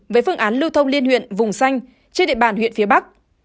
với phương án lưu thông liên huyện vùng xanh trên địa bàn huyện phía bắc